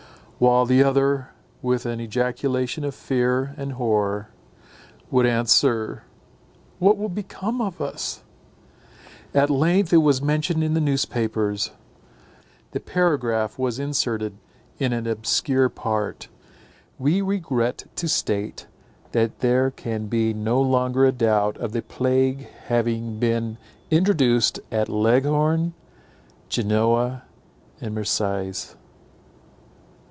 — while the other, with an ejaculation of fear and horror, would answer,— "What will become of us?" At length it was mentioned in the newspapers. The paragraph was inserted in an obscure part: "We regret to state that there can be no longer a doubt of the plague having been introduced at Leghorn, Genoa, and Marseilles."